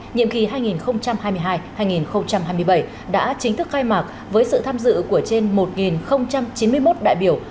nhiệm kỳ hai nghìn hai mươi hai hai nghìn hai mươi bảy đã chính thức khai mạc với sự tham dự của trên một chín mươi một đại biểu